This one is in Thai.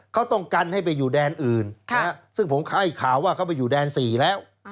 เขาต้องกันให้ไปอยู่แดนอื่นซึ่งผมให้ข่าวว่าเขาไปอยู่แดน๔แล้ว